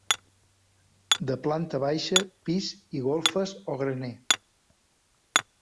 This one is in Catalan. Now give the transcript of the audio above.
De planta baixa, pis i golfes o graner.